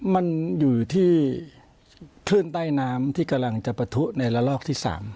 มันอยู่ที่คลื่นใต้น้ำที่กำลังจะปะทุในระลอกที่๓